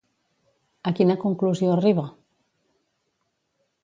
A quina conclusió arriba?